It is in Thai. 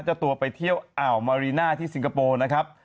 เจ้าตัวไปเที่ยวอ่าวมารีน่าที่สิงคโปร์นะครับ